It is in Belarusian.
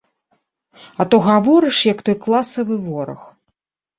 А то гаворыш, як той класавы вораг.